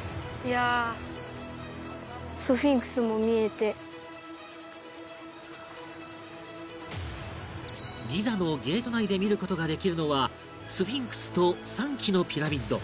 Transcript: まずギザのゲート内で見る事ができるのはスフィンクスと３基のピラミッド